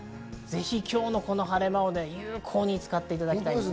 今日の晴れ間を有効に使っていただきたいです。